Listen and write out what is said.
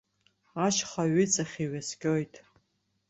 Ашьха ҩыҵахь иҩаскьоит.